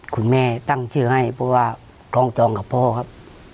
คุณแม่ตั้งชื่อให้เพราะว่าทองจองกับพ่อครับ